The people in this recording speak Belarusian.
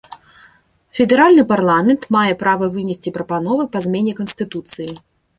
Федэральны парламент мае права вынесці прапановы па змене канстытуцыі.